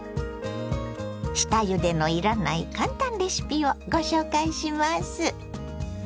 下ゆでのいらない簡単レシピをご紹介します！